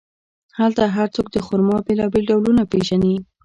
هلته هر څوک د خرما بیلابیل ډولونه پېژني.